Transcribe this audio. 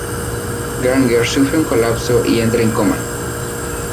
Granger sufre un colapso y entra en coma.